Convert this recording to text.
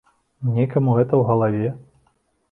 Некаму гэта ў галаве?!